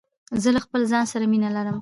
زه له خپل ځان سره مینه لرم.